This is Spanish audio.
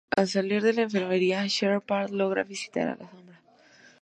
Al salir de la enfermería, Sheppard logra divisar a la "sombra".